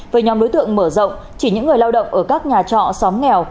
với nhóm đối tượng mở rộng chỉ những người lao động ở các nhà trọ xóm nghèo